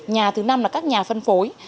nhà thứ năm là các nhà phân phối